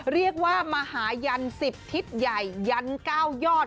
เรียกว่ามหายัน๑๐ทิศใหญ่ยัน๙ยอด